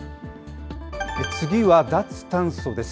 次は脱炭素です。